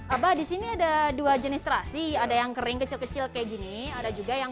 abah disini ada dua jenis terasi ada yang kering kecil kecil kayak gini ada juga yang